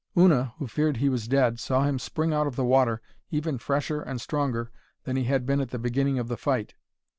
Una, who feared he was dead, saw him spring out of the water even fresher and stronger than he had been at the beginning of the fight.